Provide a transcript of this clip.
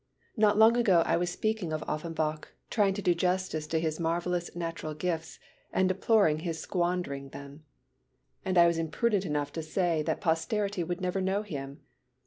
Not long ago I was speaking of Offenbach, trying to do justice to his marvellous natural gifts and deploring his squandering them. And I was imprudent enough to say that posterity would never know him.